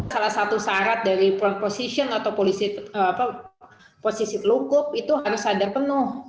salah satu syarat dari position atau posisi telungkup itu harus sadar penuh